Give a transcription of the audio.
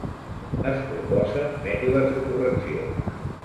Es proposen mètodes de correcció.